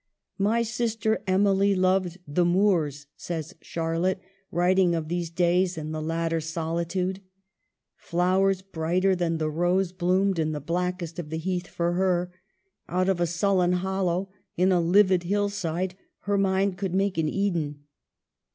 " My sister Emily loved the moors," says Charlotte, writing of these days in the latter sol itude —" flowers brighter than the rose bloomed in the blackest of the heath for her ; out of a sullen hollow in a livid hillside her mind could make an Eden.